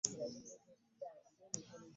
Abantu bakaaba ggwe oli mu kuduula!